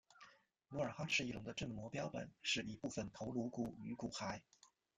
努尔哈赤翼龙的正模标本是一个部份头颅骨与骨骸。